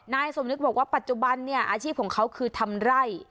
นายสมนึกบอกว่าปัจจุบันเนี่ยอาชีพของเขาคือทำไร่